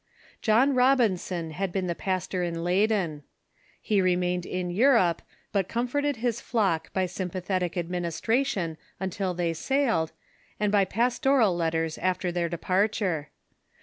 John Robinson had been the pastor in Leyden. He remained in Europe, but comfort ed his flock by sympathetic administration until they sailed, and by pastoral letters after their departure.